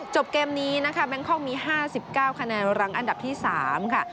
จบเกมนี้นะคะแบงคกมีห้าสิบเก้าคะแนนรั้งอันดับที่สามค่ะ